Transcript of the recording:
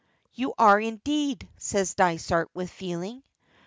"You are, indeed," says Dysart, with feeling.